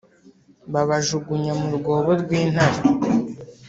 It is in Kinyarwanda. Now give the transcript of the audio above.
babajugunya mu rwobo rw intare